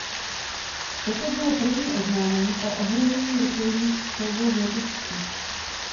Toto bylo první oznámení o ohrožení rukojmích střelbou v Lotyšsku.